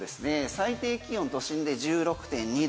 最低気温、都心で１６．２度。